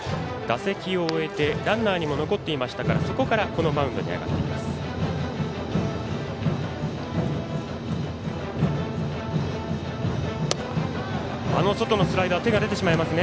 打席を終えてランナーにも残っていましたからそこから、このマウンドに上がっています。